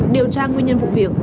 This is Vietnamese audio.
điều tra nguyên nhân vụ việc